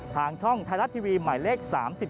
ทางช่องไทยรัฐทีวีหมายเลข๓๒